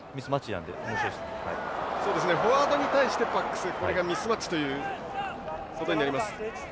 フォワードに対してバックスこれがミスマッチということになります。